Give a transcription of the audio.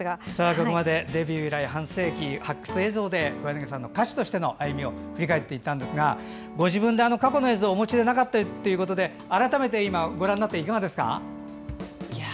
ここまでデビュー以来半世紀、発掘映像で小柳さんの歌手としての歩みを振り返ったんですがご自分で過去の映像をお持ちでなかったということで改めて今ご覧になっていかがですか？